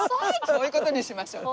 そういう事にしましょう。